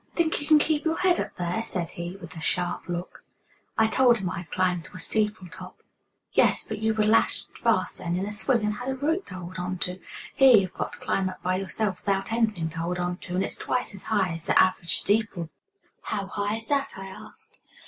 "Think you can keep your head up there?" said he, with a sharp look. I told him I had climbed to a steeple top. "Yes. But you were lashed fast then in a swing, and had a rope to hold on to. Here you've got to climb up by yourself without anything to hold on to, and it's twice as high as the average steeple." "How high is that?" I asked.